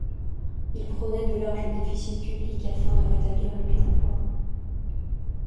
Il prônait de larges déficits publics afin de rétablir le plein-emploi.